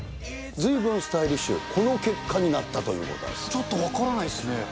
ずいぶんスタイリッシュ、この結果になったということなんちょっと分からないですね。